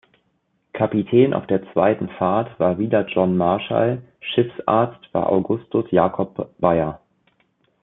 Kapitän auf der zweiten Fahrt war wieder John Marshall, Schiffsarzt war Augustus Jacob Beyer.